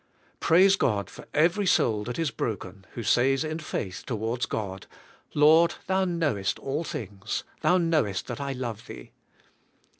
Praise God for every soul that is broken, who says in faith towards God, "Lord, Thou knowest all things. Thou knowest that I love Thee."